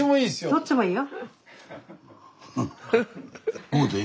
どっちもいいよ。